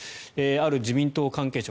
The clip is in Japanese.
ある自民党関係者